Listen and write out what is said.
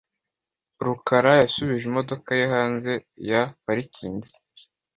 rukara yasubije imodoka ye hanze ya parikingi .